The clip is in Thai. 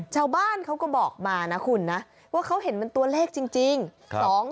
ชาวบ้านเขาก็บอกมานะคุณนะว่าเขาเห็นเป็นตัวเลขจริง